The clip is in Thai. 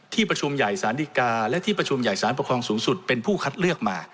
ประชุมใหญ่ศาลดีกาและที่ประชุมใหญ่สารปกครองสูงสุดเป็นผู้คัดเลือกมา